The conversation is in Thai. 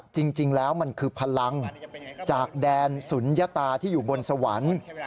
จริงแล้วมันคือพลังจากแดนสุนยตาที่อยู่บนสวรรค์